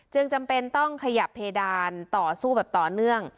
จำเป็นต้องขยับเพดานต่อสู้แบบต่อเนื่อง